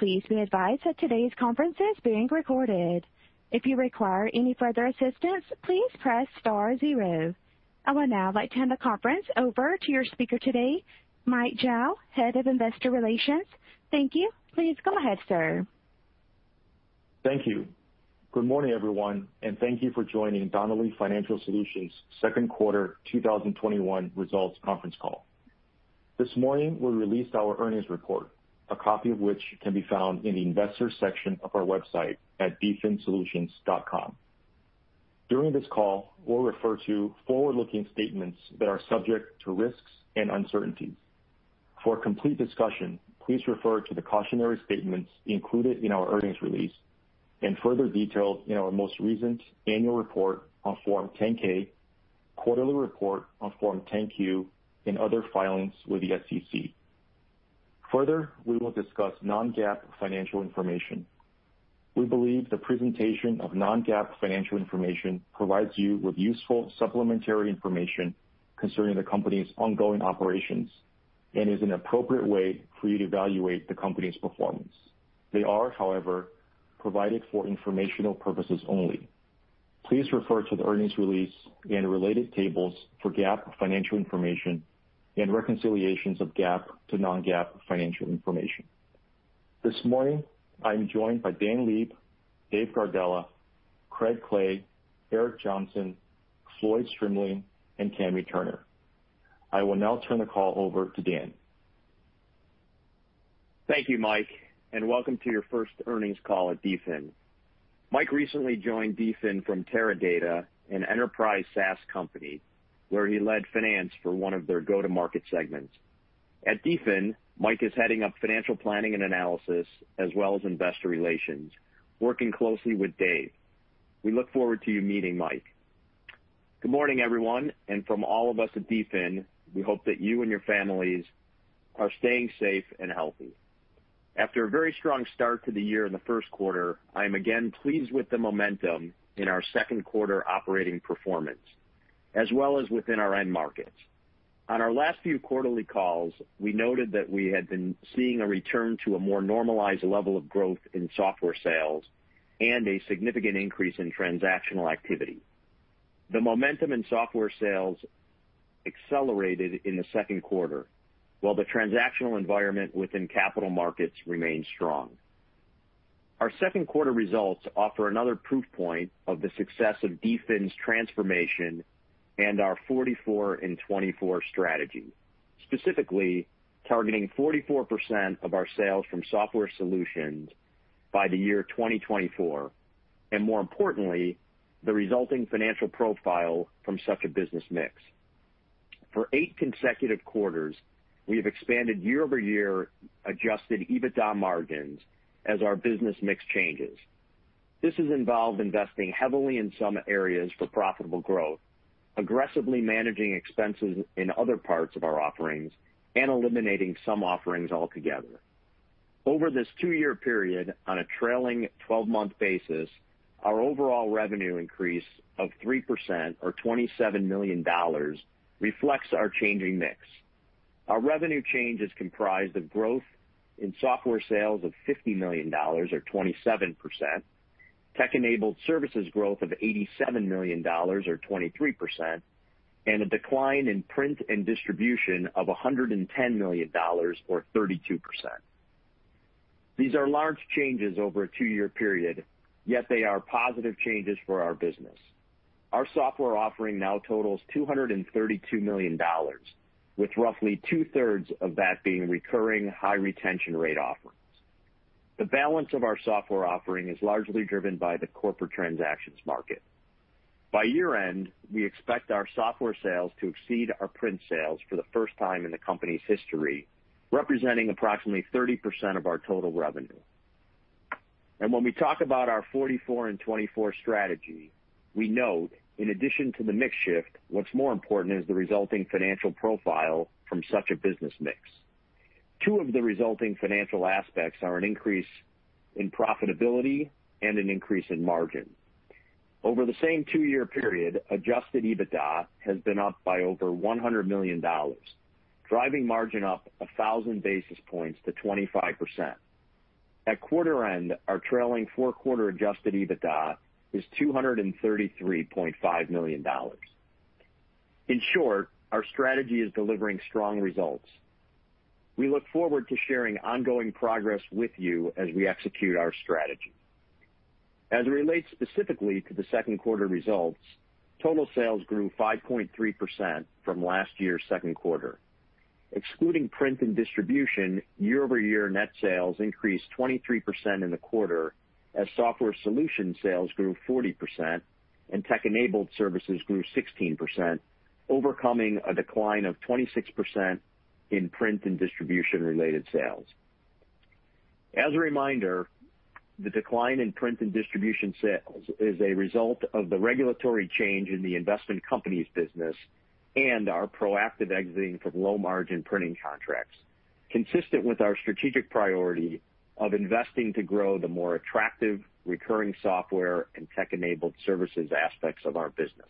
I would now like to hand the conference over to your speaker today, Michael Zhao, Head of Investor Relations. Thank you. Please go ahead, sir. Thank you. Good morning, everyone, and thank you for joining Donnelley Financial Solutions' Second Quarter 2021 Results Conference Call. This morning, we released our earnings report, a copy of which can be found in the Investors section of our website at dfinsolutions.com. During this call, we'll refer to forward-looking statements that are subject to risks and uncertainties. For a complete discussion, please refer to the cautionary statements included in our earnings release and further detailed in our most recent annual report on Form 10-K, quarterly report on Form 10-Q, and other filings with the SEC. Further, we will discuss non-GAAP financial information. We believe the presentation of non-GAAP financial information provides you with useful supplementary information concerning the company's ongoing operations and is an appropriate way for you to evaluate the company's performance. They are, however, provided for informational purposes only. Please refer to the earnings release and related tables for GAAP financial information and reconciliations of GAAP to non-GAAP financial information. This morning, I'm joined by Daniel N. Leib, David A. Gardella, Craig Clay, Eric Johnson, Floyd Strimling, and Kami Turner. I will now turn the call over to Daniel N. Leib. Thank you, Mike, and welcome to your first earnings call at DFIN. Mike recently joined DFIN from Teradata, an enterprise SaaS company, where he led finance for one of their go-to-market segments. At DFIN, Mike is heading up Financial Planning and Analysis, as well as Investor Relations, working closely with Dave. We look forward to you meeting Mike. Good morning, everyone, and from all of us at DFIN, we hope that you and your families are staying safe and healthy. After a very strong start to the year in the first quarter, I am again pleased with the momentum in our second quarter operating performance, as well as within our end markets. On our last few quarterly calls, we noted that we had been seeing a return to a more normalized level of growth in software sales and a significant increase in transactional activity. The momentum in software sales accelerated in the second quarter, while the transactional environment within Capital Markets remained strong. Our second quarter results offer another proof point of the success of DFIN's transformation and our "44 in '24 strategy", specifically targeting 44% of our sales from software solutions by the year 2024, and more importantly, the resulting financial profile from such a business mix. For eight consecutive quarters, we have expanded year-over-year adjusted EBITDA margins as our business mix changes. This has involved investing heavily in some areas for profitable growth, aggressively managing expenses in other parts of our offerings, and eliminating some offerings altogether. Over this two-year period, on a trailing 12-month basis, our overall revenue increase of 3%, or $27 million, reflects our changing mix. Our revenue change is comprised of growth in software sales of $50 million, or 27%, tech-enabled services growth of $87 million, or 23%, and a decline in print and distribution of $110 million or 32%. These are large changes over a two-year period, yet they are positive changes for our business. Our software offering now totals $232 million, with roughly two-thirds of that being recurring high retention rate offerings. The balance of our software offering is largely driven by the corporate transactions market. By year-end, we expect our software sales to exceed our print sales for the first time in the company's history, representing approximately 30% of our total revenue. When we talk about our "44 in '24 strategy", we note, in addition to the mix shift, what's more important is the resulting financial profile from such a business mix. Two of the resulting financial aspects are an increase in profitability and an increase in margin. Over the same two-year period, adjusted EBITDA has been up by over $100 million, driving margin up 1,000 bps to 25%. At quarter end, our trailing four-quarter adjusted EBITDA is $233.5 million. In short, our strategy is delivering strong results. We look forward to sharing ongoing progress with you as we execute our strategy. As it relates specifically to the second quarter results, total sales grew 5.3% from last year's second quarter. Excluding print and distribution, year-over-year net sales increased 23% in the quarter as software solution sales grew 40% and tech-enabled services grew 16%, overcoming a decline of 26% in print and distribution-related sales. As a reminder, the decline in print and distribution sales is a result of the regulatory change in the investment company's business and our proactive exiting from low-margin printing contracts, consistent with our strategic priority of investing to grow the more attractive recurring software and tech-enabled services aspects of our business.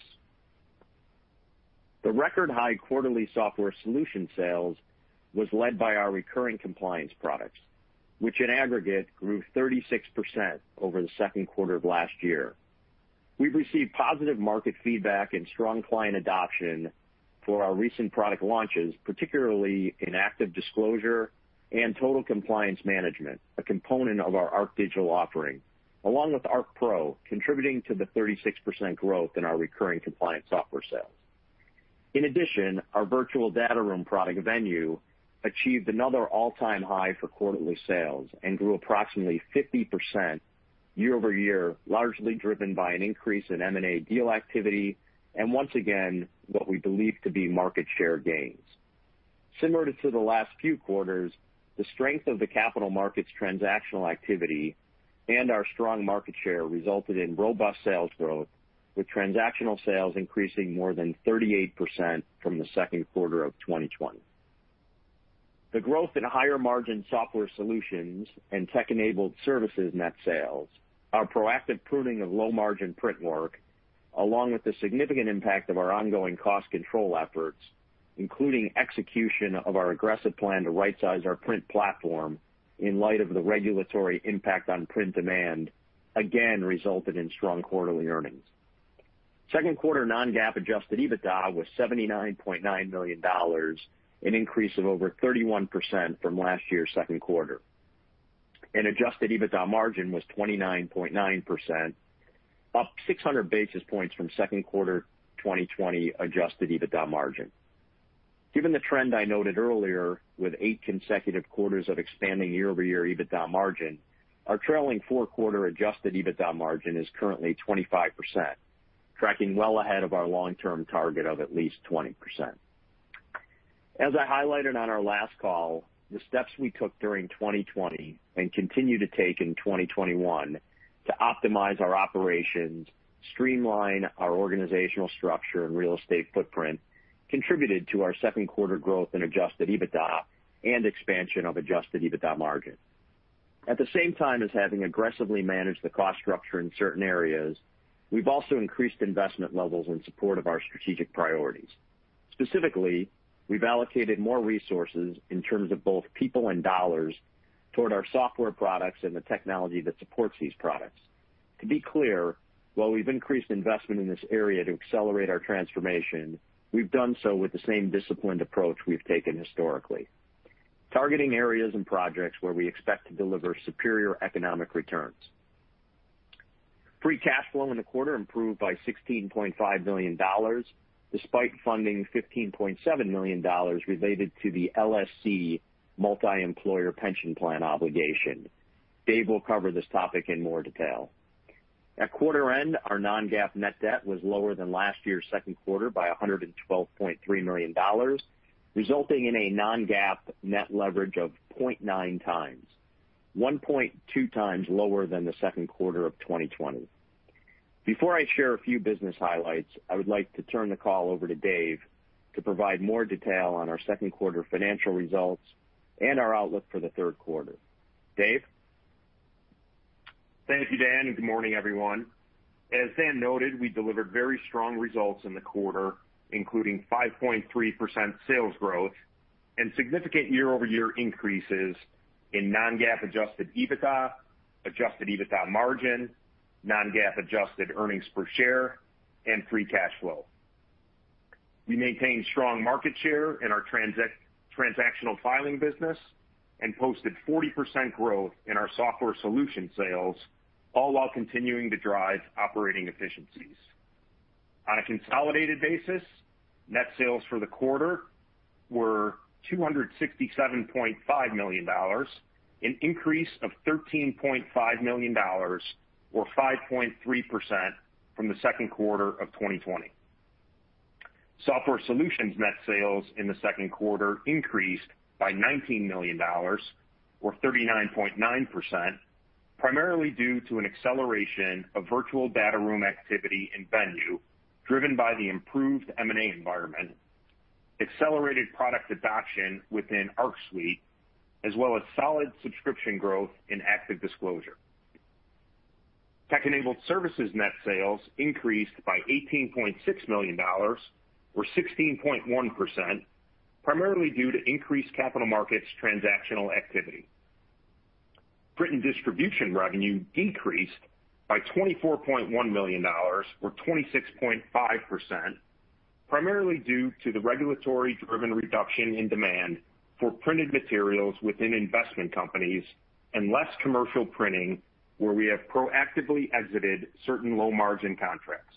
The record-high quarterly software solution sales was led by our recurring compliance products, which in aggregate grew 36% over the second quarter of last year. We've received positive market feedback and strong client adoption for our recent product launches, particularly in ActiveDisclosure and Total Compliance Management, a component of our ArcDigital offering, along with ArcPro, contributing to the 36% growth in our recurring compliance software sales. In addition, our virtual data room product, Venue, achieved another all-time high for quarterly sales and grew approximately 50% year-over-year, largely driven by an increase in M&A deal activity, and once again, what we believe to be market share gains. Similar to the last few quarters, the strength of the Capital Markets transactional activity and our strong market share resulted in robust sales growth, with transactional sales increasing more than 38% from the second quarter of 2020. The growth in higher-margin software solutions and tech-enabled services net sales, our proactive pruning of low-margin print work, along with the significant impact of our ongoing cost control efforts, including execution of our aggressive plan to right-size our print platform in light of the regulatory impact on print demand, again resulted in strong quarterly earnings. Second quarter non-GAAP adjusted EBITDA was $79.9 million, an increase of over 31% from last year's second quarter, and adjusted EBITDA margin was 29.9%, up 600 bps from second quarter 2020 adjusted EBITDA margin. Given the trend I noted earlier, with eight consecutive quarters of expanding year-over-year EBITDA margin, our trailing four-quarter adjusted EBITDA margin is currently 25%, tracking well ahead of our long-term target of at least 20%. As I highlighted on our last call, the steps we took during 2020 and continue to take in 2021 to optimize our operations, streamline our organizational structure and real estate footprint, contributed to our second quarter growth in adjusted EBITDA and expansion of adjusted EBITDA margin. At the same time as having aggressively managed the cost structure in certain areas, we've also increased investment levels in support of our strategic priorities. Specifically, we've allocated more resources in terms of both people and dollars toward our software products and the technology that supports these products. To be clear, while we've increased investment in this area to accelerate our transformation, we've done so with the same disciplined approach we've taken historically, targeting areas and projects where we expect to deliver superior economic returns. Free cash flow in the quarter improved by $16.5 million, despite funding $15.7 million related to the LSC multi-employer pension plan obligation. Dave will cover this topic in more detail. At quarter end, our non-GAAP net debt was lower than last year's second quarter by $112.3 million, resulting in a non-GAAP net leverage of 0.9x, 1.2x lower than the second quarter of 2020. Before I share a few business highlights, I would like to turn the call over to Dave to provide more detail on our second quarter financial results and our outlook for the third quarter. Dave? Thank you, Dan, and good morning, everyone. As Dan noted, we delivered very strong results in the quarter, including 5.3% sales growth and significant year-over-year increases in non-GAAP adjusted EBITDA, adjusted EBITDA margin, non-GAAP adjusted earnings per share, and free cash flow. We maintained strong market share in our transactional filing business and posted 40% growth in our software solution sales, all while continuing to drive operating efficiencies. On a consolidated basis, net sales for the quarter were $267.5 million, an increase of $13.5 million or 5.3% from the second quarter of 2020. Software Solutions net sales in the second quarter increased by $19 million or 39.9%, primarily due to an acceleration of Virtual Data Room activity in Venue, driven by the improved M&A environment, accelerated product adoption within Arc Suite, as well as solid subscription growth in ActiveDisclosure. Tech-enabled services net sales increased by $18.6 million or 16.1%, primarily due to increased capital markets transactional activity. Print and distribution revenue decreased by $24.1 million or 26.5%, primarily due to the regulatory-driven reduction in demand for printed materials within investment companies and less commercial printing where we have proactively exited certain low-margin contracts.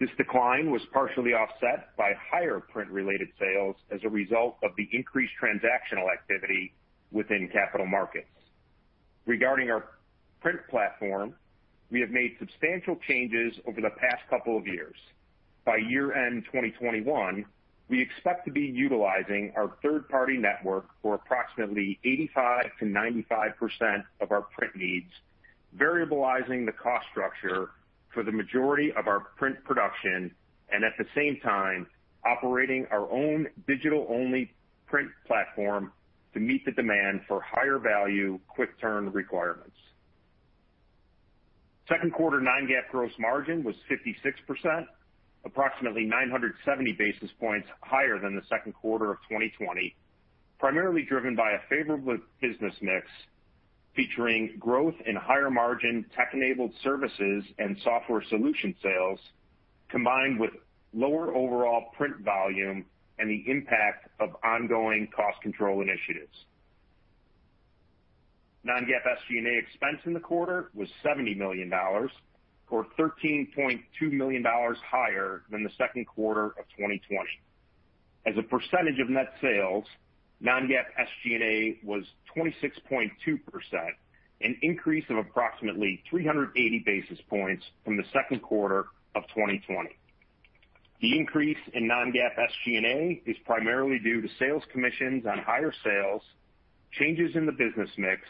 This decline was partially offset by higher print-related sales as a result of the increased transactional activity within capital markets. Regarding our print platform, we have made substantial changes over the past couple of years. By year end 2021, we expect to be utilizing our third-party network for approximately 85%-95% of our print needs, variabilizing the cost structure for the majority of our print production, and at the same time, operating our own digital-only print platform to meet the demand for higher value, quick turn requirements. Second quarter non-GAAP gross margin was 56%, approximately 970 bps higher than the second quarter of 2020, primarily driven by a favorable business mix featuring growth in higher margin tech-enabled services and software solution sales, combined with lower overall print volume and the impact of ongoing cost control initiatives. Non-GAAP SG&A expense in the quarter was $70 million, or $13.2 million higher than the second quarter of 2020. As a percentage of net sales, non-GAAP SG&A was 26.2%, an increase of approximately 380 bps from the second quarter of 2020. The increase in non-GAAP SG&A is primarily due to sales commissions on higher sales, changes in the business mix,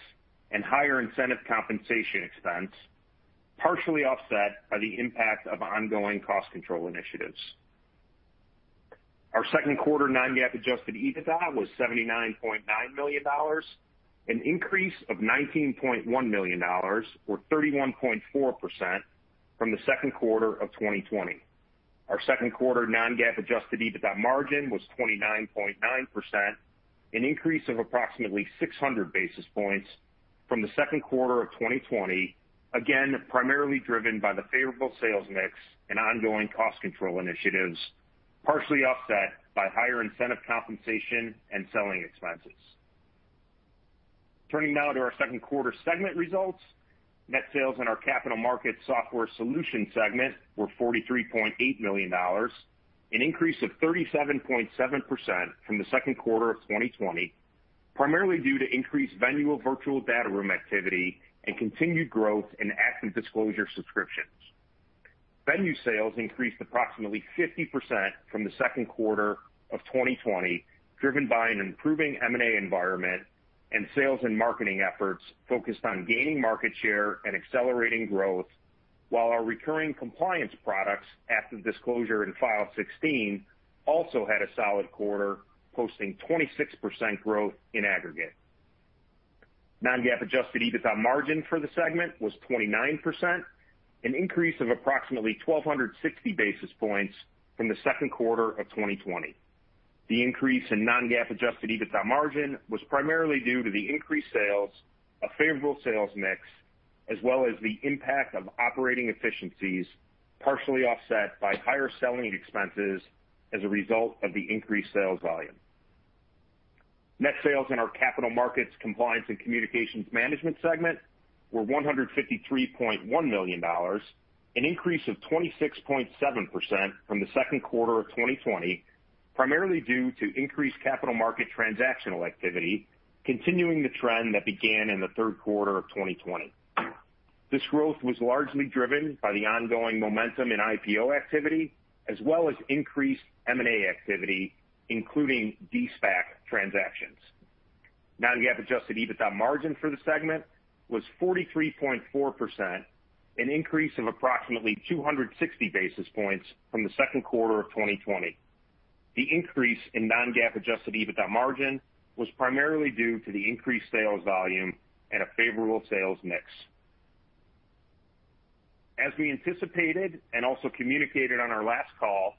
and higher incentive compensation expense, partially offset by the impact of ongoing cost control initiatives. Our second quarter non-GAAP adjusted EBITDA was $79.9 million, an increase of $19.1 million or 31.4% from the second quarter of 2020. Our second quarter non-GAAP adjusted EBITDA margin was 29.9%, an increase of approximately 600 bps from the second quarter of 2020, again, primarily driven by the favorable sales mix and ongoing cost control initiatives, partially offset by higher incentive compensation and selling expenses. Turning now to our second quarter segment results. Net sales in our Capital Markets – Software Solutions segment were $43.8 million, an increase of 37.7% from the second quarter of 2020, primarily due to increased Venue virtual data room activity and continued growth in ActiveDisclosure subscriptions. Venue sales increased approximately 50% from the second quarter of 2020, driven by an improving M&A environment and sales and marketing efforts focused on gaining market share and accelerating growth, while our recurring compliance products, ActiveDisclosure and File16, also had a solid quarter, posting 26% growth in aggregate. Non-GAAP adjusted EBITDA margin for the segment was 29%, an increase of approximately 1,260 bps from the second quarter of 2020. The increase in non-GAAP adjusted EBITDA margin was primarily due to the increased sales, a favorable sales mix, as well as the impact of operating efficiencies, partially offset by higher selling expenses as a result of the increased sales volume. Net sales in our Capital Markets – Compliance and Communications Management segment were $153.1 million, an increase of 26.7% from the second quarter of 2020, primarily due to increased capital market transactional activity, continuing the trend that began in the third quarter of 2020. This growth was largely driven by the ongoing momentum in IPO activity, as well as increased M&A activity, including de-SPAC transactions. non-GAAP adjusted EBITDA margin for the segment was 43.4%, an increase of approximately 260 basis points from the second quarter of 2020. The increase in non-GAAP adjusted EBITDA margin was primarily due to the increased sales volume and a favorable sales mix. As we anticipated and also communicated on our last call,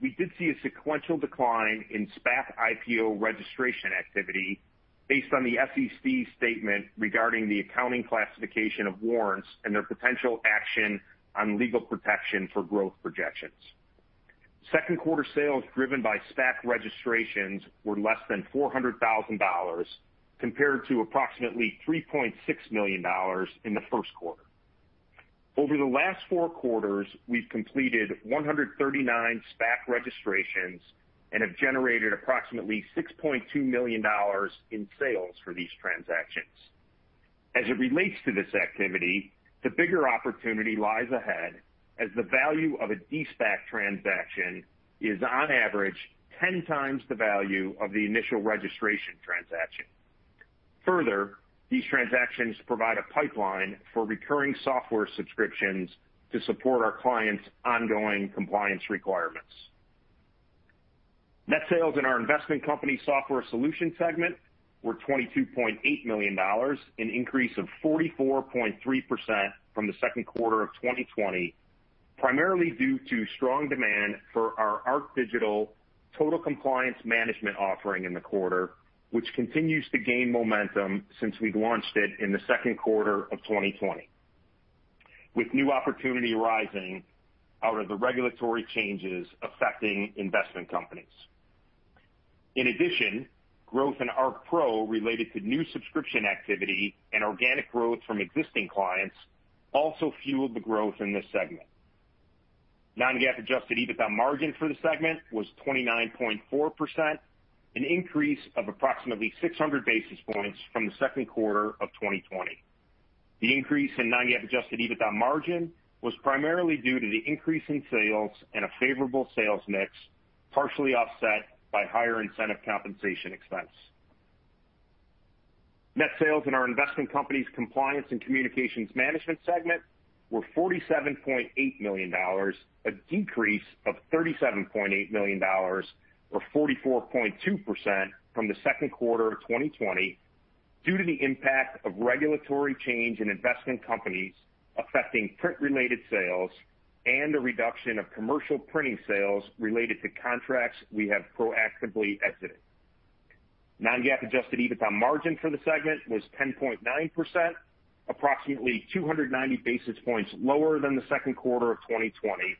we did see a sequential decline in SPAC IPO registration activity based on the SEC statement regarding the accounting classification of warrants and their potential action on legal protection for growth projections. Second quarter sales driven by SPAC registrations were less than $400,000, compared to approximately $3.6 million in the first quarter. Over the last four quarters, we've completed 139 SPAC registrations and have generated approximately $6.2 million in sales for these transactions. As it relates to this activity, the bigger opportunity lies ahead as the value of a de-SPAC transaction is, on average, 10x the value of the initial registration transaction. Further, these transactions provide a pipeline for recurring software subscriptions to support our clients' ongoing compliance requirements. Net sales in our Investment Companies – Software Solutions segment were $22.8 million, an increase of 44.3% from the second quarter of 2020, primarily due to strong demand for our ArcDigital Total Compliance Management offering in the quarter, which continues to gain momentum since we launched it in the second quarter of 2020, with new opportunity arising out of the regulatory changes affecting investment companies. In addition, growth in ArcPro related to new subscription activity and organic growth from existing clients also fueled the growth in this segment. Non-GAAP adjusted EBITDA margin for the segment was 29.4%, an increase of approximately 600 bps from the second quarter of 2020. The increase in non-GAAP adjusted EBITDA margin was primarily due to the increase in sales and a favorable sales mix, partially offset by higher incentive compensation expense. Net sales in our Investment Companies – Compliance and Communications Management segment were $47.8 million, a decrease of $37.8 million or 44.2% from the second quarter of 2020 due to the impact of regulatory change in investment companies affecting print-related sales. A reduction of commercial printing sales related to contracts we have proactively exited. non-GAAP adjusted EBITDA margin for the segment was 10.9%, approximately 290bps lower than the second quarter of 2020.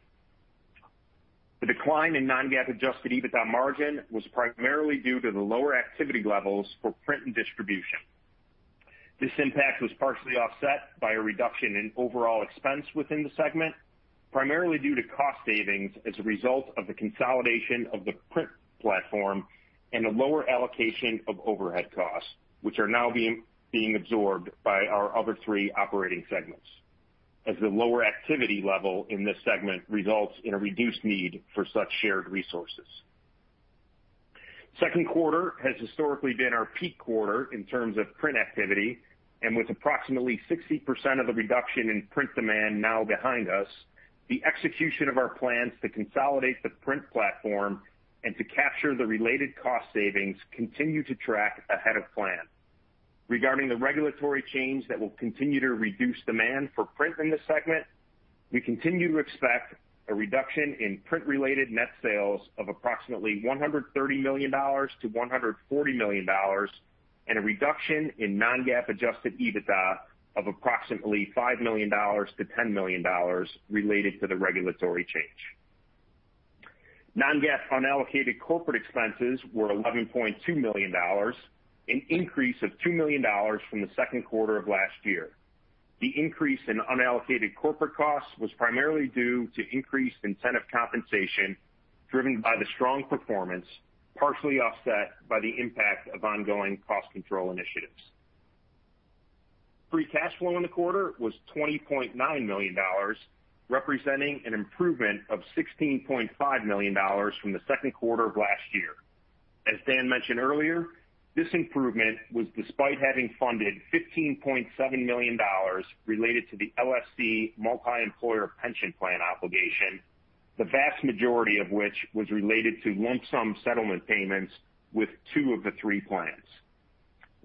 The decline in non-GAAP adjusted EBITDA margin was primarily due to the lower activity levels for print and distribution. This impact was partially offset by a reduction in overall expense within the segment, primarily due to cost savings as a result of the consolidation of the print platform and a lower allocation of overhead costs, which are now being absorbed by our other three operating segments, as the lower activity level in this segment results in a reduced need for such shared resources. Second quarter has historically been our peak quarter in terms of print activity, and with approximately 60% of the reduction in print demand now behind us, the execution of our plans to consolidate the print platform and to capture the related cost savings continue to track ahead of plan. Regarding the regulatory change that will continue to reduce demand for print in this segment, we continue to expect a reduction in print-related net sales of approximately $130 million-$140 million, and a reduction in non-GAAP adjusted EBITDA of approximately $5 million-$10 million related to the regulatory change. Non-GAAP unallocated corporate expenses were $11.2 million, an increase of $2 million from the second quarter of last year. The increase in unallocated corporate costs was primarily due to increased incentive compensation driven by the strong performance, partially offset by the impact of ongoing cost control initiatives. Free cash flow in the quarter was $20.9 million, representing an improvement of $16.5 million from the second quarter of last year. As Dan mentioned earlier, this improvement was despite having funded $15.7 million related to the LSC multi-employer pension plan obligation, the vast majority of which was related to lump sum settlement payments with two of the three plans.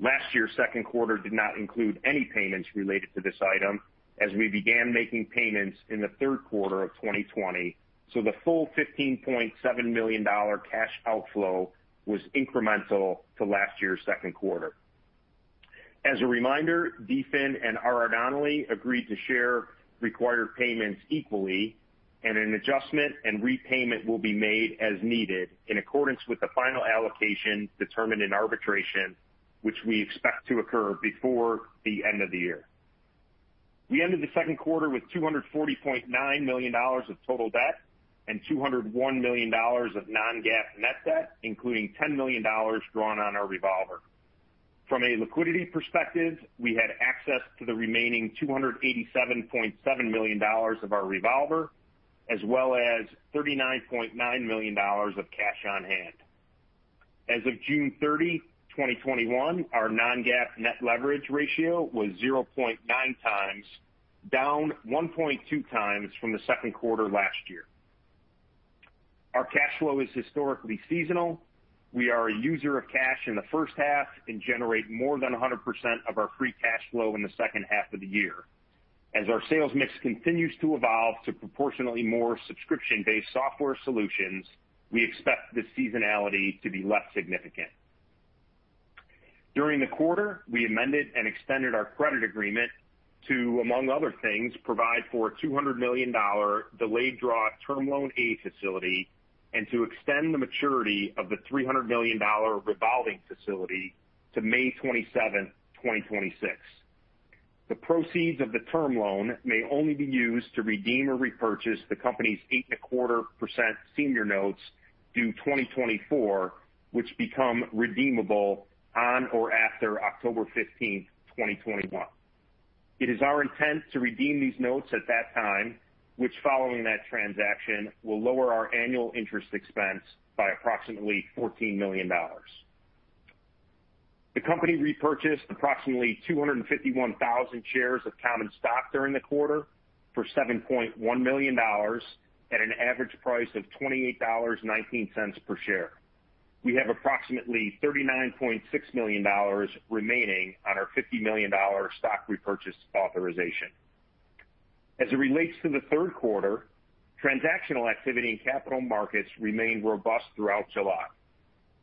Last year's second quarter did not include any payments related to this item, as we began making payments in the third quarter of 2020, so the full $15.7 million cash outflow was incremental to last year's second quarter. As a reminder, DFIN and R.R. Donnelley agreed to share required payments equally, and an adjustment and repayment will be made as needed in accordance with the final allocation determined in arbitration, which we expect to occur before the end of the year. We ended the second quarter with $240.9 million of total debt and $201 million of non-GAAP net debt, including $10 million drawn on our revolver. From a liquidity perspective, we had access to the remaining $287.7 million of our revolver, as well as $39.9 million of cash on hand. As of June 30, 2021, our non-GAAP net leverage ratio was 0.9x, down 1.2x from the second quarter last year. Our cash flow is historically seasonal. We are a user of cash in the first half and generate more than 100% of our free cash flow in the second half of the year. As our sales mix continues to evolve to proportionally more subscription-based software solutions, we expect this seasonality to be less significant. During the quarter, we amended and extended our credit agreement to, among other things, provide for a $200 million delayed draw Term Loan A Facility, and to extend the maturity of the $300 million revolving facility to May 27, 2026. The proceeds of the term loan may only be used to redeem or repurchase the company's 8.25% senior notes due 2024, which become redeemable on or after October 15, 2021. It is our intent to redeem these notes at that time, which following that transaction, will lower our annual interest expense by approximately $14 million. The company repurchased approximately 251,000 shares of common stock during the quarter for $7.1 million at an average price of $28.19 per share. We have approximately $39.6 million remaining on our $50 million stock repurchase authorization. As it relates to the third quarter, transactional activity in capital markets remained robust throughout July.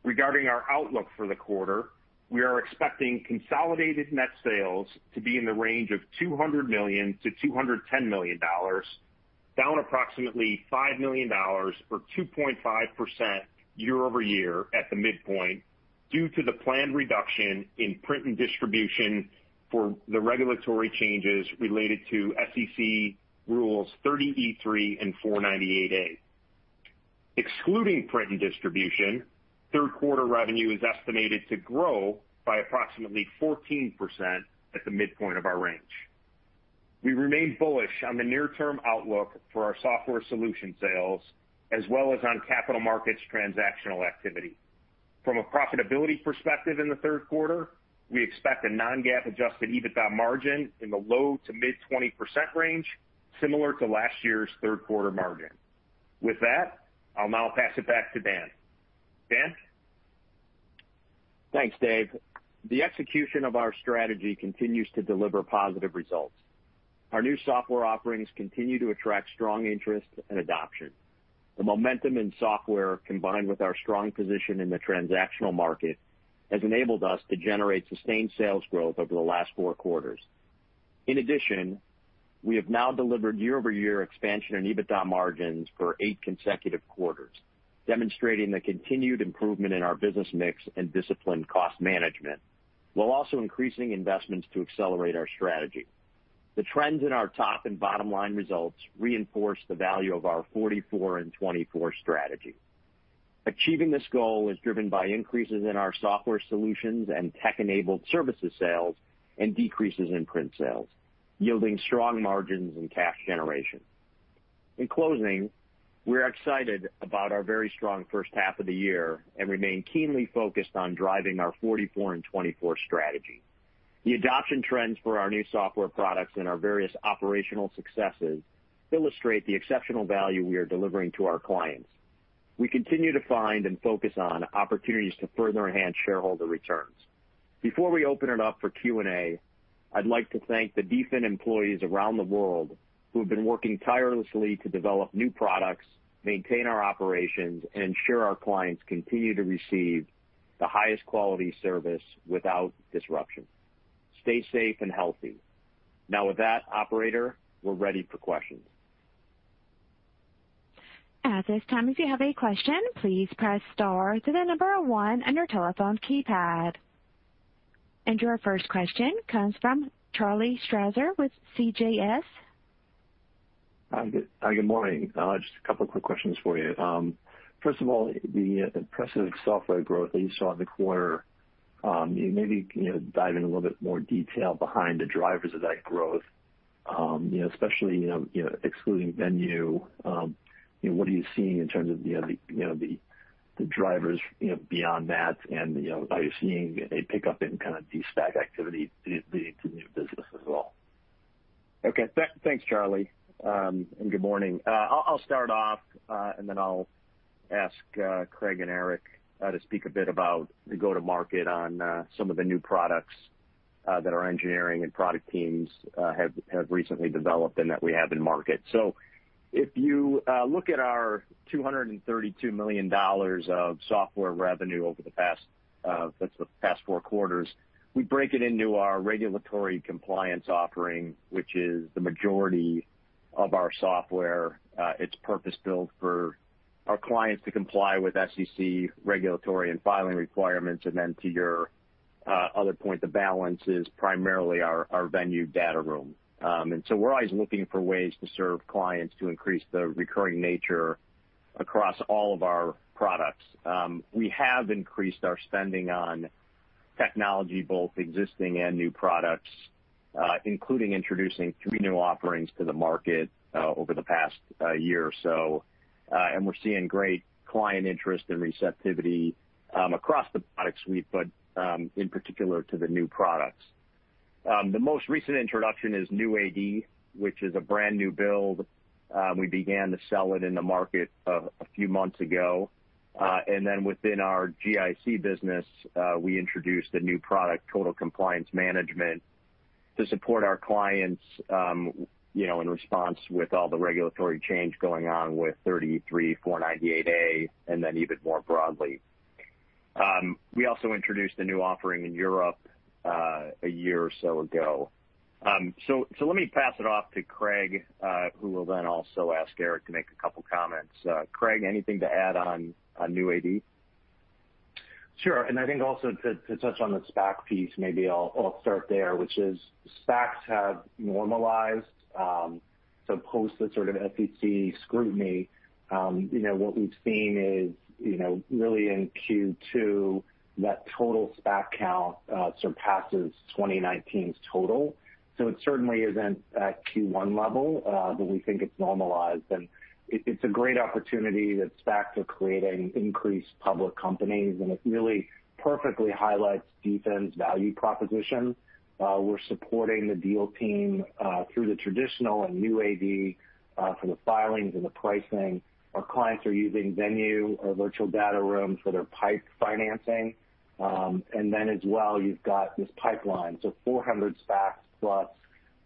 Regarding our outlook for the quarter, we are expecting consolidated net sales to be in the range of $200 million-$210 million, down approximately $5 million, or 2.5% year-over-year at the midpoint due to the planned reduction in print and distribution for the regulatory changes related to SEC rules 30e-3 and Rule 498A. Excluding print and distribution, third quarter revenue is estimated to grow by approximately 14% at the midpoint of our range. We remain bullish on the near-term outlook for our software solution sales, as well as on Capital Markets transactional activity. From a profitability perspective in the third quarter, we expect a non-GAAP adjusted EBITDA margin in the low to mid-20% range, similar to last year's third quarter margin. With that, I'll now pass it back to Dan. Dan? Thanks, Dave. The execution of our strategy continues to deliver positive results. Our new software offerings continue to attract strong interest and adoption. The momentum in software, combined with our strong position in the transactional market, has enabled us to generate sustained sales growth over the last four quarters. In addition, we have now delivered year-over-year expansion in EBITDA margins for eight consecutive quarters, demonstrating the continued improvement in our business mix and disciplined cost management, while also increasing investments to accelerate our strategy. The trends in our top and bottom line results reinforce the value of our "44 in '24 strategy". Achieving this goal is driven by increases in our software solutions and tech-enabled services sales and decreases in print sales, yielding strong margins and cash generation. In closing, we're excited about our very strong first half of the year and remain keenly focused on driving our "44 in '24 strategy". The adoption trends for our new software products and our various operational successes illustrate the exceptional value we are delivering to our clients. We continue to find and focus on opportunities to further enhance shareholder returns. Before we open it up for Q&A, I'd like to thank the DFIN employees around the world who have been working tirelessly to develop new products, maintain our operations, and ensure our clients continue to receive the highest quality service without disruption. Stay safe and healthy. With that, operator, we're ready for questions. At this time, if you have a question, please press star then the number one on your telephone keypad. Your first question comes from Charles S. Strauzer with CJS. Hi, good morning. Just two quick questions for you. First of all, the impressive software growth that you saw in the quarter, maybe dive in a little bit more detail behind the drivers of that growth. Especially, excluding Venue, what are you seeing in terms of the drivers beyond that? Are you seeing a pickup in kind of de-SPAC activity leading to new business as well? Okay. Thanks, Charlie. Good morning. I'll start off, and then I'll ask Craig and Eric to speak a bit about the go-to-market on some of the new products that our engineering and product teams have recently developed and that we have in market. If you look at our $232 million of software revenue over the past four quarters, we break it into our regulatory compliance offering, which is the majority of our software. It's purpose-built for our clients to comply with SEC regulatory and filing requirements. Then to your other point, the balance is primarily our Venue data room. We're always looking for ways to serve clients to increase the recurring nature across all of our products. We have increased our spending on technology, both existing and new products, including introducing three new offerings to the market over the past year or so. We're seeing great client interest and receptivity across the product suite, but in particular to the new products. The most recent introduction is New AD, which is a brand-new build. We began to sell it in the market a few months ago. Then within our GIC business, we introduced a new product, Total Compliance Management, to support our clients in response with all the regulatory change going on with Rule 30e-3 and Rule 498A and then even more broadly. We also introduced a new offering in Europe a year or so ago. Let me pass it off to Craig, who will then also ask Eric to make a couple of comments. Craig, anything to add on New AD? Sure. I think also to touch on the SPAC piece, maybe I'll start there, which is SPACs have normalized. Post the sort of SEC scrutiny, what we've seen is really in Q2, that total SPAC count surpasses 2019's total. It's a great opportunity that SPACs are creating increased public companies, and it really perfectly highlights DFIN's value proposition. We're supporting the deal team through the traditional and New AD for the filings and the pricing. Our clients are using Venue, our virtual data room, for their PIPE financing. As well, you've got this pipeline, so 400 SPACs plus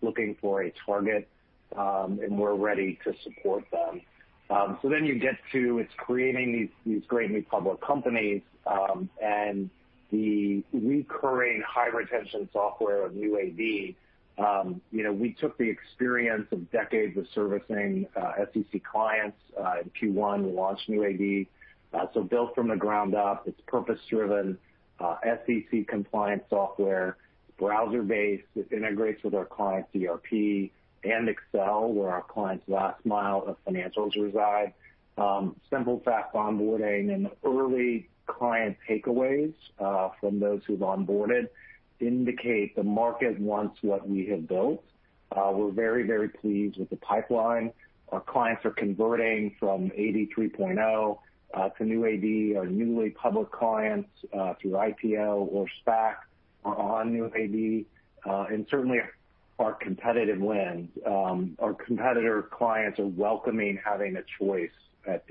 looking for a target, and we're ready to support them. You get to, it's creating these great new public companies, and the recurring high-retention software of New AD. We took the experience of decades of servicing SEC clients. In Q1, we launched New AD. Built from the ground up. It's purpose-driven, SEC-compliant software, browser-based. It integrates with our client's ERP and Excel, where our client's last mile of financials reside. Simple, fast onboarding and early client takeaways from those who've onboarded indicate the market wants what we have built. We're very, very pleased with the pipeline. Our clients are converting from AD 3.0 to New AD. Our newly public clients through IPO or SPAC are on New AD. Our competitive lens. Our competitor clients are welcoming having a choice at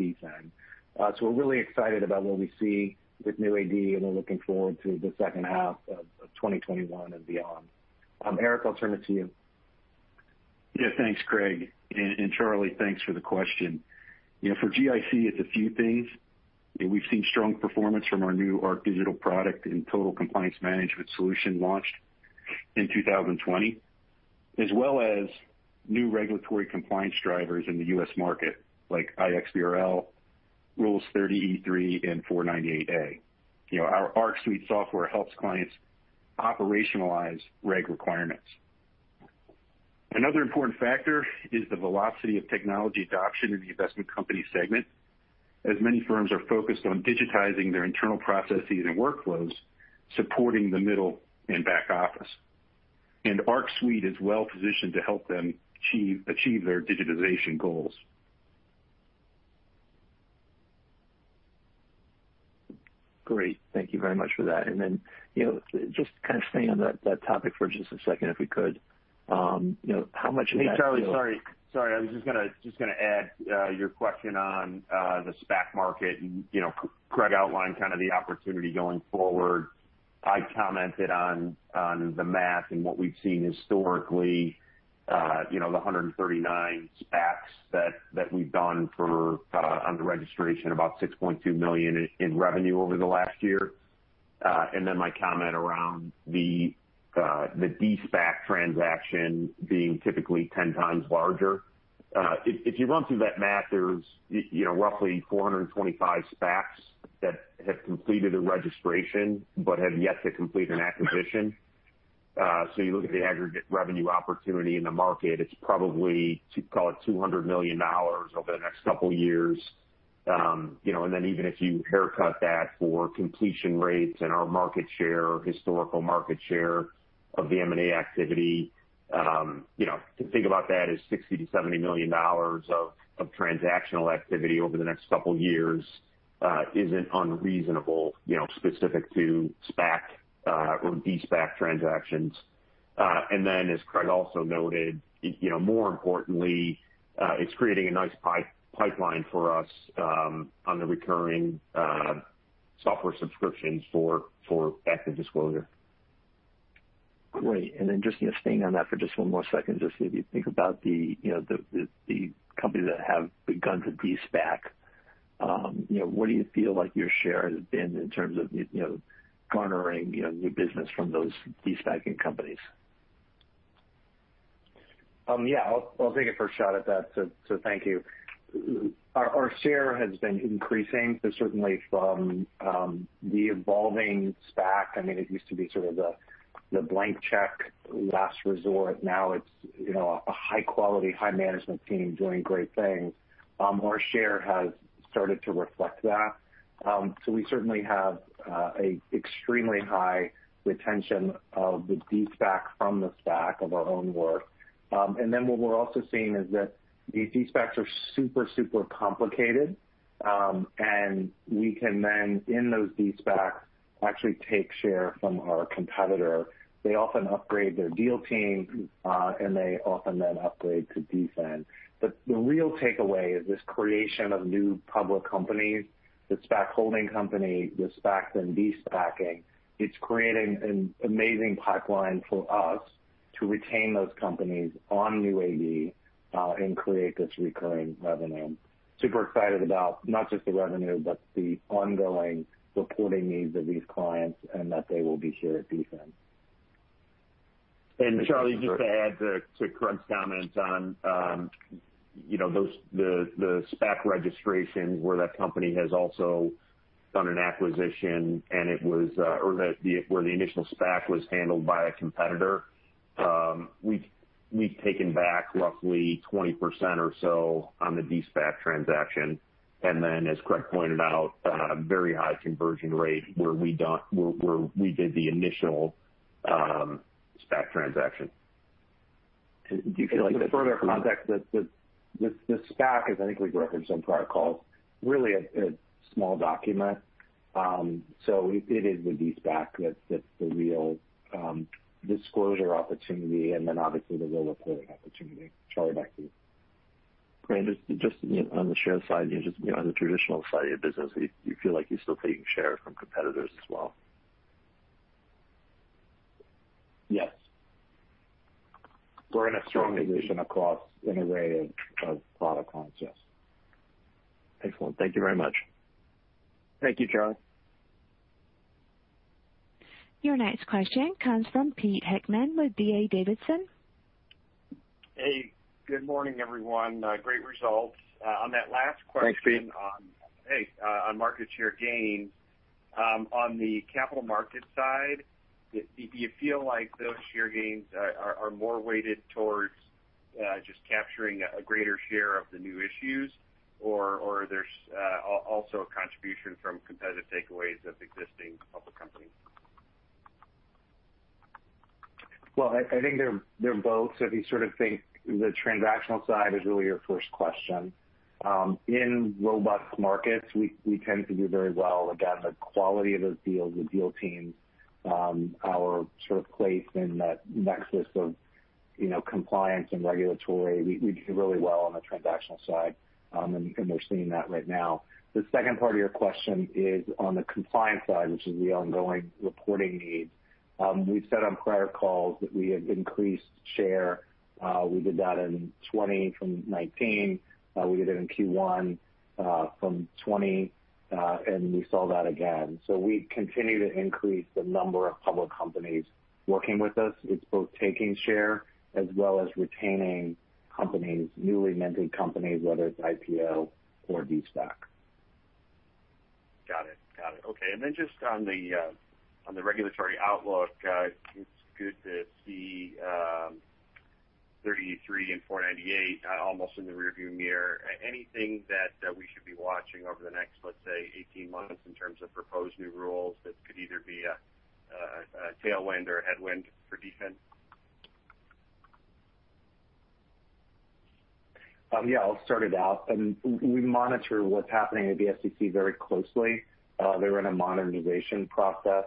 DFIN. We're really excited about what we see with New AD, and we're looking forward to the second half of 2021 and beyond. Eric, I'll turn it to you. Yeah. Thanks, Craig. Charlie, thanks for the question. For GIC, it's a few things. We've seen strong performance from our new ArcDigital product and Total Compliance Management solution launched in 2020, as well as new regulatory compliance drivers in the U.S. market like iXBRL, Rules 30e-3, and 498A. Our ArcSuite software helps clients operationalize reg requirements. Another important factor is the velocity of technology adoption in the investment company segment, as many firms are focused on digitizing their internal processes and workflows, supporting the middle and back office. Arc Suite is well-positioned to help them achieve their digitization goals. Great. Thank you very much for that. Then, just kind of staying on that topic for just a second, if we could. How much of that? Hey, Charles. Sorry, I was just going to add your question on the SPAC market, and Craig outlined kind of the opportunity going forward. I commented on the math and what we've seen historically, the 139 SPACs that we've done for under registration, about $6.2 million in revenue over the last year. My comment around the de-SPAC transaction being typically 10x larger. If you run through that math, there's roughly 425 SPACs that have completed a registration but have yet to complete an acquisition. You look at the aggregate revenue opportunity in the market, it's probably, call it $200 million over the next couple years. Even if you haircut that for completion rates and our market share, historical market share of the M&A activity, to think about that as $60 million-$70 million of transactional activity over the next couple years isn't unreasonable, specific to SPAC or de-SPAC transactions. As Craig also noted, more importantly, it's creating a nice pipeline for us on the recurring software subscriptions for ActiveDisclosure. Great. Then just staying on that for just one more second. Just if you think about the companies that have begun to De-SPAC, what do you feel like your share has been in terms of garnering new business from those De-SPACing companies? I'll take a first shot at that. Thank you. Our share has been increasing, certainly from the evolving SPAC, it used to be sort of the blank check, last resort. Now it's a high quality, high management team doing great things. Our share has started to reflect that. We certainly have extremely high retention of the de-SPAC from the SPAC of our own work. What we're also seeing is that these de-SPACs are super complicated. We can then, in those de-SPACs, actually take share from our competitor. They often upgrade their deal team, and they often then upgrade to DFIN. The real takeaway is this creation of new public companies, the SPAC holding company, the SPACs and de-SPACing. It's creating an amazing pipeline for us to retain those companies on New AD, and create this recurring revenue. Super excited about not just the revenue, but the ongoing reporting needs of these clients, and that they will be here at DFIN. Charles S. Strauzer, just to add to Craig's comments on the SPAC registration where that company has also done an acquisition and where the initial SPAC was handled by a competitor. We've taken back roughly 20% or so on the de-SPAC transaction. As Craig pointed out, a very high conversion rate where we did the initial SPAC transaction. For further context, the SPAC is, I think we've referenced on prior calls, really a small document. It is the de-SPAC that's the real disclosure opportunity and then obviously the real reporting opportunity. Charles S. Strauzer, back to you. Craig, just on the share side, just on the traditional side of your business, you feel like you're still taking share from competitors as well? Yes. We're in a strong position across an array of product lines, yes. Excellent. Thank you very much. Thank you, Charlie. Your next question comes from Peter James Heckmann with D.A. Davidson. Hey. Good morning, everyone. Great results. Thanks, Pete. On that last question. Hey On market share gains, on the Capital Markets side, do you feel like those share gains are more weighted towards just capturing a greater share of the new issues? Or there's also a contribution from competitive takeaways of existing public companies? Well, I think they're both. If you sort of think the transactional side is really your first question. In robust markets, we tend to do very well. Again, the quality of those deals, the deal teams Our place in that nexus of compliance and regulatory. We do really well on the transactional side, and we're seeing that right now. The second part of your question is on the compliance side, which is the ongoing reporting needs. We've said on prior calls that we have increased share. We did that in 2020 from 2019. We did it in Q1 from 2020, and we saw that again. We continue to increase the number of public companies working with us. It's both taking share as well as retaining companies, newly minted companies, whether it's IPO or de-SPAC. Got it. Okay. Just on the regulatory outlook, it's good to see 30e-3 and 498A almost in the rear view mirror. Anything that we should be watching over the next, let's say, 18 months in terms of proposed new rules that could either be a tailwind or a headwind for DFIN? Yeah, I'll start it out. We monitor what's happening at the SEC very closely. They're in a modernization process.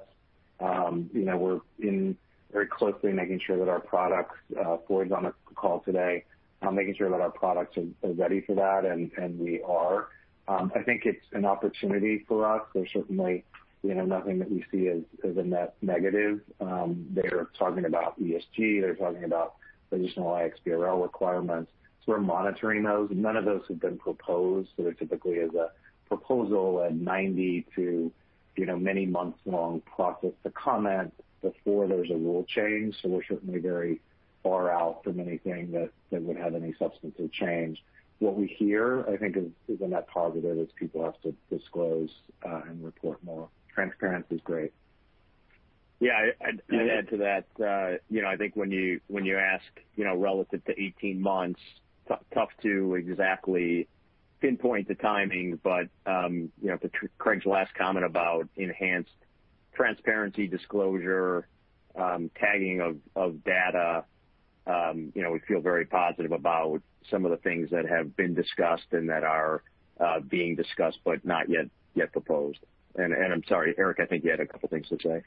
We're in very closely making sure that our products, Floyd's on the call today, making sure that our products are ready for that, and we are. I think it's an opportunity for us. There's certainly nothing that we see as a net negative. They're talking about ESG, they're talking about additional iXBRL requirements. We're monitoring those. None of those have been proposed. There typically is a proposal, a 90 to many months-long process to comment before there's a rule change. We're certainly very far out from anything that would have any substantive change. What we hear, I think, is a net positive as people have to disclose and report more. Transparency is great. Yeah, I'd add to that. I think when you ask, relative to 18 months, tough to exactly pinpoint the timing. To Craig's last comment about enhanced transparency disclosure, tagging of data, we feel very positive about some of the things that have been discussed and that are being discussed, but not yet proposed. I'm sorry, Eric, I think you had a couple things to say.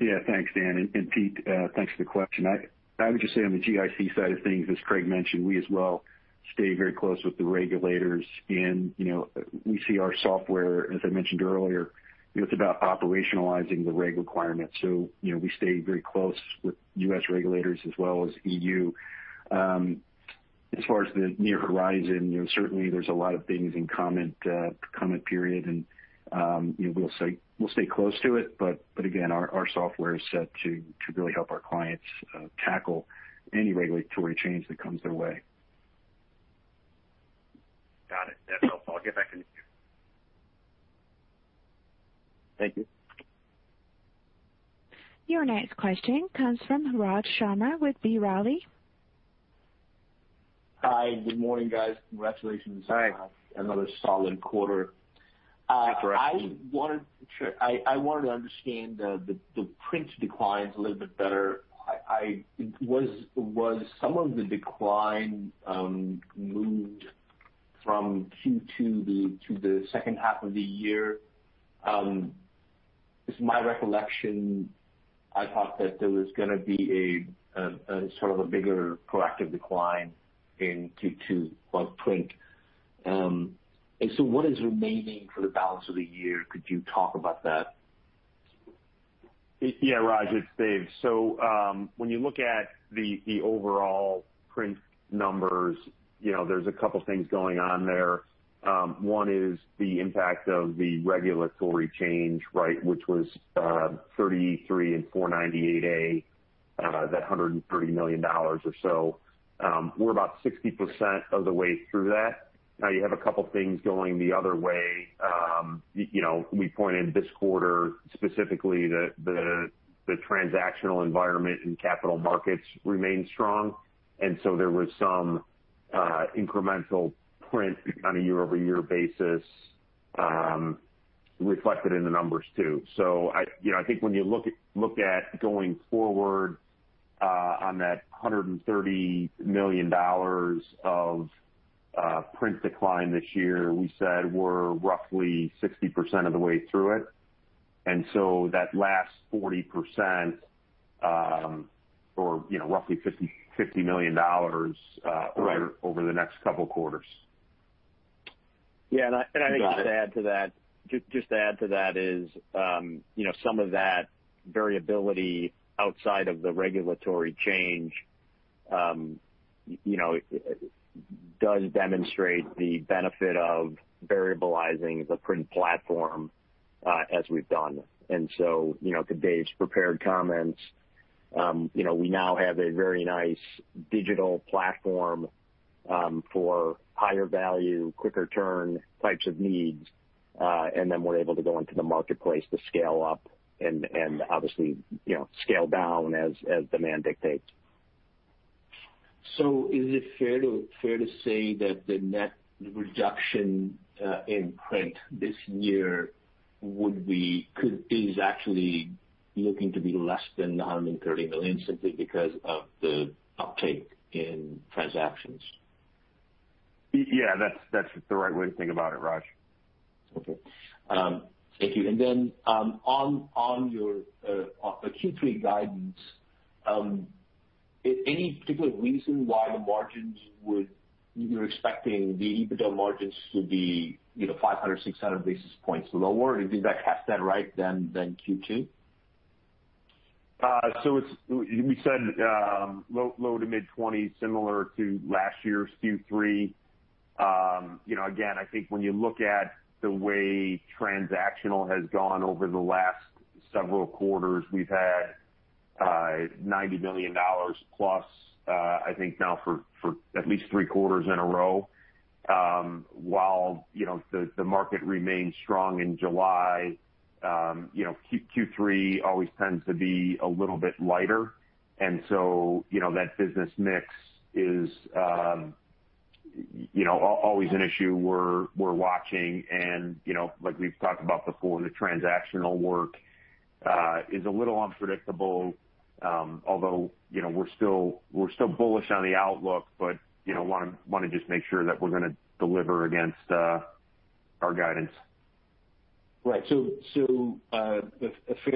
Yeah, thanks, Dan. Pete, thanks for the question. I would just say on the GIC side of things, as Craig mentioned, we as well stay very close with the regulators, and we see our software, as I mentioned earlier, it's about operationalizing the reg requirements. We stay very close with U.S. regulators as well as EU. As far as the near horizon, certainly there's a lot of things in comment period, and we'll stay close to it. Again, our software is set to really help our clients tackle any regulatory change that comes their way. Got it. That's helpful. I'll get back to you. Thank you. Your next question comes from Raj Sharma with B. Riley. Hi. Good morning, guys. Congratulations- Hi On another solid quarter. Thanks for asking. I wanted to understand the print declines a little bit better. Was some of the decline moved from Q2 to the second half of the year? It's my recollection, I thought that there was going to be a sort of a bigger proactive decline in Q2 on print. What is remaining for the balance of the year? Could you talk about that? Yeah, Raj, it's Dave. When you look at the overall print numbers, there's a couple things going on there. One is the impact of the regulatory change, which was Rule 30e-3 and Rule 498A, that $130 million or so. We're about 60% of the way through that. You have a couple of things going the other way. We pointed this quarter specifically that the transactional environment and capital markets remain strong, and so there was some incremental print on a year-over-year basis reflected in the numbers, too. I think when you look at going forward on that $130 million of print decline this year, we said we're roughly 60% of the way through it. That last 40% or roughly $50 million. Right Over the next couple quarters. Yeah. I think just to add to that is, some of that variability outside of the regulatory change does demonstrate the benefit of variabilizing the print platform as we've done. To Dave's prepared comments, we now have a very nice digital platform for higher value, quicker turn types of needs. Then we're able to go into the marketplace to scale up and obviously scale down as demand dictates. Is it fair to say that the net reduction in print this year is actually looking to be less than the $130 million simply because of the uptake in transactions? Yeah, that's the right way to think about it, Raj. Okay. Thank you. Then on your Q3 guidance, any particular reason why you're expecting the EBITDA margins to be 500 bps, 600 bps lower? Did I catch that right, than Q2? We said low to mid 20s, similar to last year's Q3. Again, I think when you look at the way transactional has gone over the last several quarters, we've had $90 billion plus, I think now for at least 3 quarters in a row. While the market remained strong in July, Q3 always tends to be a little bit lighter. That business mix is always an issue we're watching and like we've talked about before, the transactional work is a little unpredictable. Although, we're still bullish on the outlook, but want to just make sure that we're going to deliver against our guidance. Right. Fair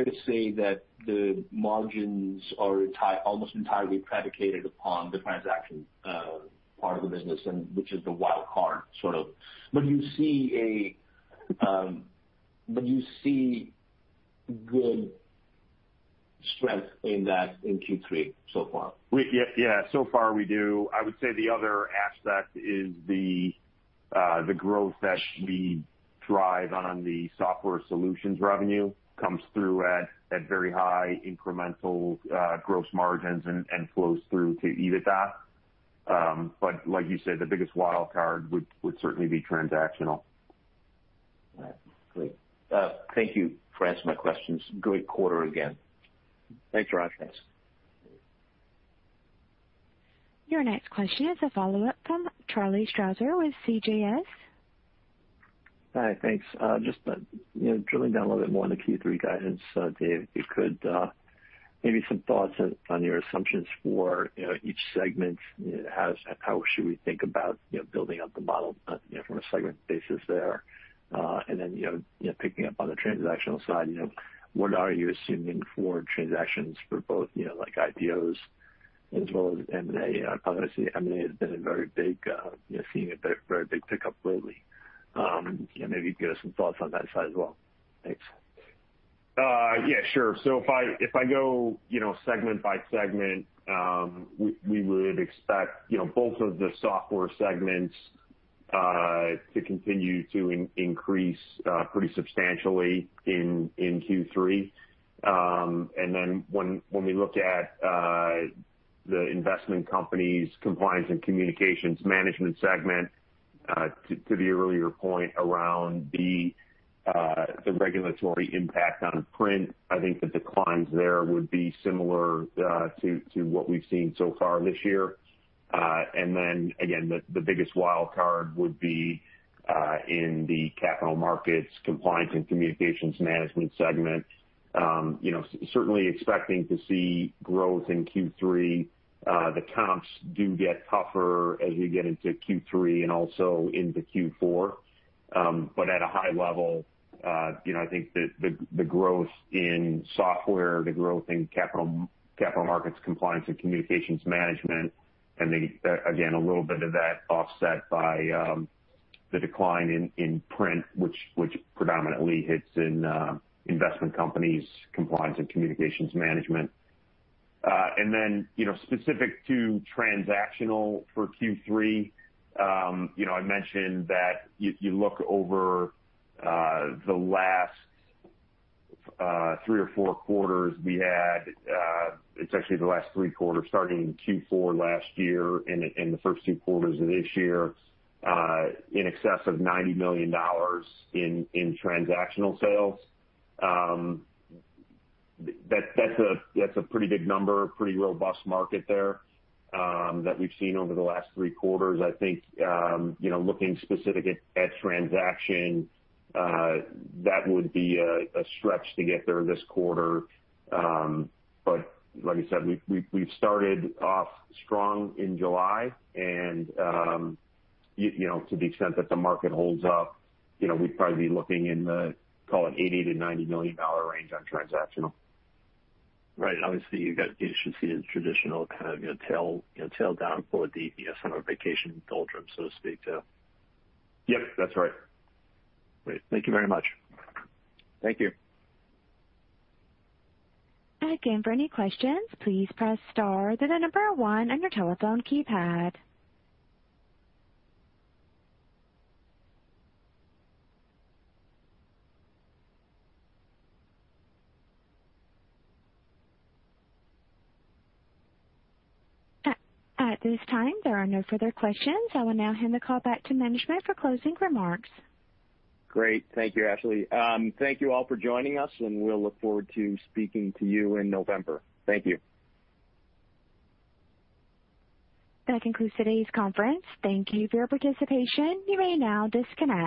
to say that the margins are almost entirely predicated upon the transaction part of the business and which is the wild card, sort of. You see good strength in that in Q3 so far? Yeah. So far we do. I would say the other aspect is the growth that we drive on the Software Solutions revenue comes through at very high incremental gross margins and flows through to EBITDA. Like you said, the biggest wild card would certainly be transactional. All right, great. Thank you. You've answered my questions. Great quarter again. Thanks, Raj. Thanks. Your next question is a follow-up from Charles S. Strauzer with CJS. Hi, thanks. Just drilling down a little bit more on the Q3 guidance, Dave, if you could, maybe some thoughts on your assumptions for each segment. How should we think about building up the model from a segment basis there? Picking up on the transactional side, what are you assuming for transactions for both IPOs as well as M&A? Obviously, M&A has been seeing a very big pickup lately. Maybe give us some thoughts on that side as well. Thanks. Yeah, sure. If I go segment by segment, we would expect both of the software segments to continue to increase pretty substantially in Q3. When we look at the Investment Companies – Compliance and Communications Management segment, to the earlier point around the regulatory impact on print, I think the declines there would be similar to what we've seen so far this year. Again, the biggest wild card would be in the Capital Markets – Compliance and Communications Management segment. Certainly expecting to see growth in Q3. The comps do get tougher as we get into Q3 and also into Q4. At a high level, I think the growth in software, the growth in Capital Markets – Compliance and Communications Management, and again, a little bit of that offset by the decline in print, which predominantly hits in Investment Companies – Compliance and Communications Management. Specific to transactional for Q3, I mentioned that if you look over the last three or four quarters we had, it's actually the last three quarters starting in Q4 last year and the first two quarters of this year, in excess of $90 million in transactional sales. That's a pretty big number, pretty robust market there, that we've seen over the last three quarters. I think, looking specific at transaction, that would be a stretch to get there this quarter. Like I said, we've started off strong in July. To the extent that the market holds up, we'd probably be looking in the, call it $80 million-$90 million range on transactional. Right. Obviously, you should see the traditional kind of tail down for the summer vacation doldrum, so to speak. Yep, that's right. Great. Thank you very much. Thank you. Again, for any questions, please press star, then the number one on your telephone keypad. At this time, there are no further questions. I will now hand the call back to management for closing remarks. Great. Thank you, Ashley. Thank you all for joining us, and we'll look forward to speaking to you in November. Thank you. That concludes today's conference. Thank you for your participation. You may now disconnect.